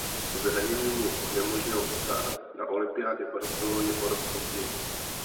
Zranění mu znemožnilo start na olympiádě v Barceloně o rok později.